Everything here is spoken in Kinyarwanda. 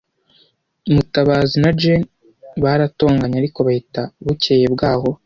Mutabazi na Jane baratonganye, ariko bahita bukeye bwaho.